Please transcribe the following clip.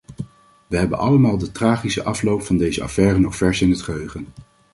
We hebben allemaal de tragische afloop van deze affaire nog vers in het geheugen.